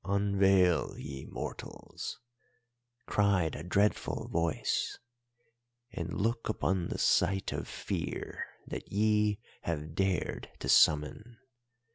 "'Unveil, ye mortals!' cried a dreadful voice, 'and look upon the sight of fear that ye have dared to summon.